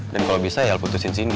dan kalau bisa ya lo putusin cindy